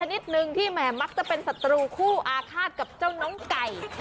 นิดนึงที่แหมมักจะเป็นศัตรูคู่อาฆาตกับเจ้าน้องไก่